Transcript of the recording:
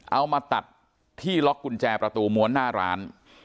เอามาตัดที่ล็อกกุญแจประตูม้วนหน้าร้าน